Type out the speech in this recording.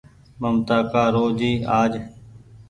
ممتآ ڪآ رو آج